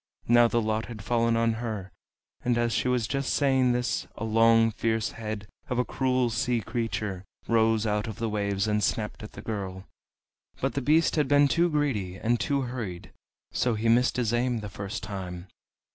Now the lot had fallen on her; and as she was just saying this a long fierce head of a cruel sea creature rose out of the waves and snapped at the girl. But the beast had been too greedy and too hurried, so he missed his aim the first time.